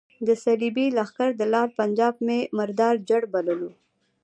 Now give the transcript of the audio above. د صلیبي لښکر دلال پنجاب مې مردار جړ بللو.